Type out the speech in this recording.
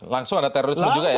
langsung ada terorisme juga ya